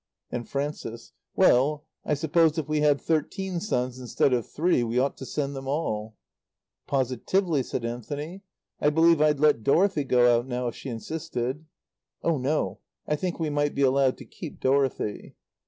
And Frances: "Well, I suppose if we had thirteen sons instead of three, we ought to send them all." "Positively," said Anthony. "I believe I'd let Dorothy go out now if she insisted." "Oh, no, I think we might be allowed to keep Dorothy."